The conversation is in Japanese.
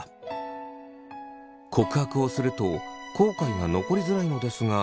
告白をすると後悔が残りづらいのですが。